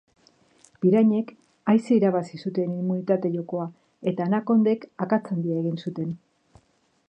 Pirañek aise irabazi zuten immunitate jokoa, eta anakondek akats handia egin zuten.